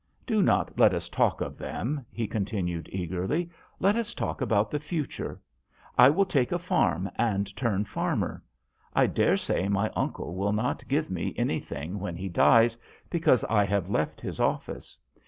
Do not let us talk of them," he con tinued, eagerly. " Let us talk about the future. I will take a farm and turn farmer. I dare say my uncle will not give me any thing when he dies because I have left his office.